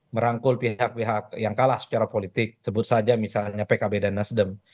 merangkul pihak pihak yang kalah secara politik sebut saja misalnya pkb dan nasdem